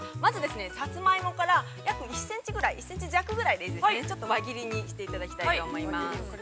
さつまいもから、１センチ弱ぐらいでいいですね、輪切りにしていただきたいと思います。